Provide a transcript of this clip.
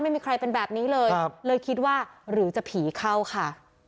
ไม่มีใครเป็นแบบนี้เลยเลยคิดว่าหรือจะผีเข้าค่ะ